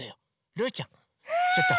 ルーちゃんちょっと。